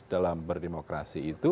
dalam berdemokrasi itu